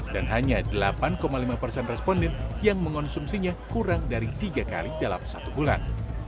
dan hanya delapan lima persen responden yang mengonsumsinya kurang dari tiga kali dalam satu bulan